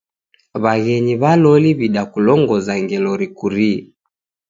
W'aghenyi w'a loli w'idakulongoza ngelo rikurie.